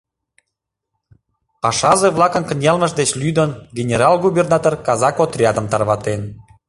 Пашазе-влакын кынелмышт деч лӱдын, генерал-губернатор казак отрядым тарватен.